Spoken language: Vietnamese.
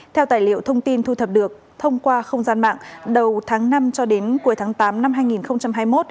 theo tài liệu thông tin thu thập được thông qua không gian mạng đầu tháng năm cho đến cuối tháng tám năm hai nghìn hai mươi một